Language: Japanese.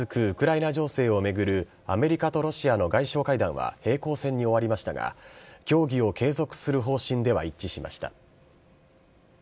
ウクライナ情勢を巡るアメリカとロシアの外相会談は平行線に終わりましたが、協議を継続する方針では一致しました。